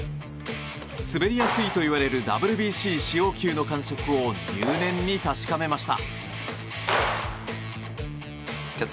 滑りやすいといわれるＷＢＣ使用球の感触を入念に確かめました。